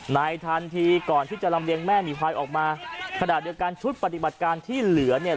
ทันทีก่อนที่จะลำเลียงแม่หนีควายออกมาขณะเดียวกันชุดปฏิบัติการที่เหลือเนี่ย